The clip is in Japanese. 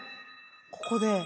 ここで。